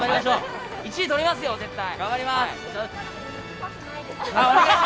１位取りますよ、絶対！